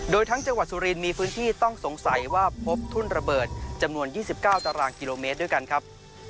โดยทั้งจังหวัดสุรินทร์มีพื้นที่ต้องสงสัยว่าพบทุ่นระเบิดจำนวน๒๙ตารางกิโลเมตรด้วยกันครับ